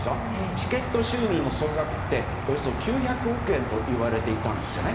チケット収入の総額っておよそ９００億円といわれていたんですよね。